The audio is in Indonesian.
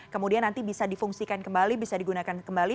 kemudian nanti bisa difungsikan kembali bisa digunakan kembali